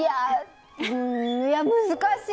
難しい。